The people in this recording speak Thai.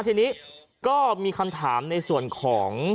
ทีนี้ก็มีคำถามในส่วนของ